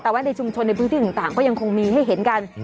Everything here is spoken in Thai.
แต่ว่าในชุมชนในพื้นที่ต่างก็ยังคงมีให้เห็นกัน